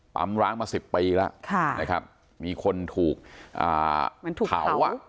ปั๊มร้างมา๑๐ปีแล้วนะครับมีคนถูกเผา